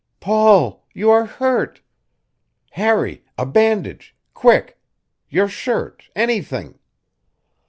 "Paul! You are hurt! Harry, a bandage quick; your shirt anything!"